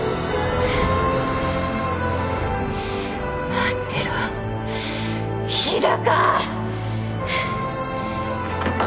待ってろ日高！